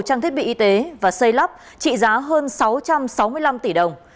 trang thiết bị y tế và xây lắp trị giá hơn sáu trăm sáu mươi năm tỷ đồng